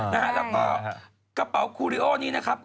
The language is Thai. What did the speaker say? แล้วก็กระเป๋าคูริโอนี้นะครับ